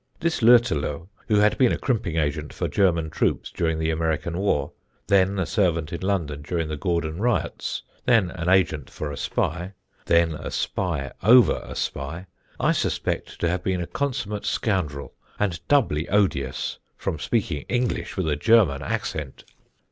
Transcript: "This Lütterloh, who had been a crimping agent for German troops during the American war, then a servant in London during the Gordon riots, then an agent for a spy, then a spy over a spy, I suspect to have been a consummate scoundrel, and doubly odious from speaking English with a German accent.